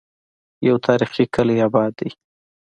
يو تاريخي کلے اباد دی